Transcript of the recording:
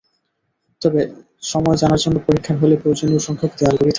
তবে সময় জানার জন্য পরীক্ষার হলে প্রয়োজনীয় সংখ্যক দেয়াল ঘড়ি থাকবে।